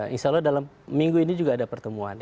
insya allah dalam minggu ini juga ada pertemuan